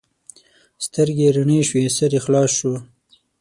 سترګې یې رڼې شوې؛ سر یې خلاص شو.